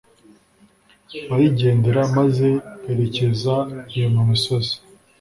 barigendera, maze berekeza iyo mu misozi.